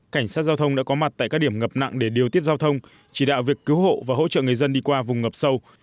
cảnh sát giao thông đã có mặt tại các điểm ngập nặng để điều tiết giao thông chỉ đạo việc cứu hộ và hỗ trợ người dân đi qua vùng ngập sâu